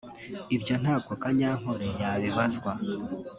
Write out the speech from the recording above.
ibyo ntabwo Kanyankole yabibazwa